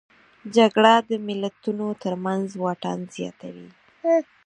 جګړه د ملتونو ترمنځ واټن زیاتوي